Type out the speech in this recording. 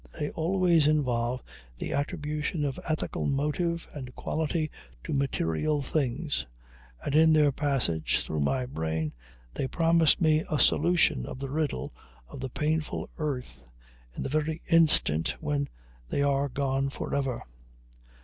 They always involve the attribution of ethical motive and quality to material things, and in their passage through my brain they promise me a solution of the riddle of the painful earth in the very instant when they are gone forever.